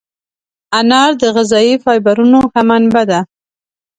انار د غذایي فایبرونو ښه منبع ده.